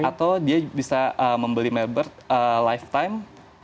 atau dia bisa membeli mailbird lifetime